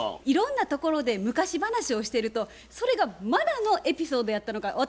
いろんなところで昔話をしてるとそれが茉奈のエピソードやったのか